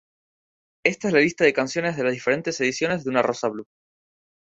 Esta es la lista de canciones de las diferentes ediciones de "Una rosa blu".